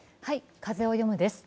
「風をよむ」です。